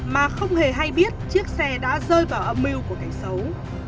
mà không hề hay biết chiếc xe đã rơi vào âm mưu của kẻ xấu